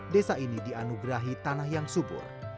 desa ini dianugerahi tanah yang subur